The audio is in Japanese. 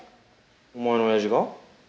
お前の親父が？